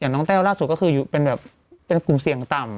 อย่างน้องแต้วล่าสุดก็คือเป็นแบบกรุงเสียงต่ำ